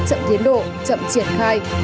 chậm thiến độ chậm triển khai